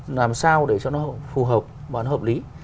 làm sao để cho nó phù hợp và nó hợp lý